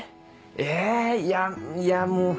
えいやいやもう。